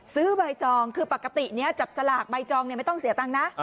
ซื้อใบจองคือปกตินี้จับสลากใบจองไม่ต้องเสียตังค์นะ